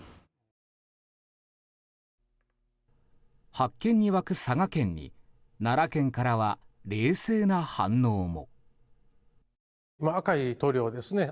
発見に沸く佐賀県に奈良県からは冷静な反応も。